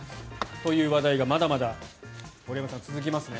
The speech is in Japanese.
という話題がまだまだ森山さん、続きますね。